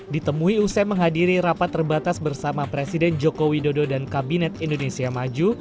ditemui usai menghadiri rapat terbatas bersama presiden joko widodo dan kabinet indonesia maju